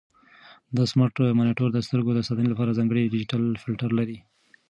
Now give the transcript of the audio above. دا سمارټ مانیټور د سترګو د ساتنې لپاره ځانګړی ډیجیټل فلټر لري.